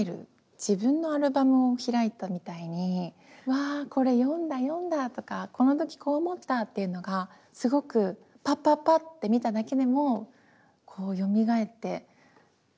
自分のアルバムを開いたみたいに「うわこれ読んだ読んだ！」とか「この時こう思った！」っていうのがすごくパッパッパッて見ただけでもよみがえってジーンとなる。